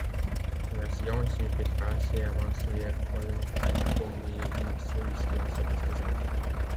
La science n'était pas assez avancée alors pour donner une solution satisfaisante.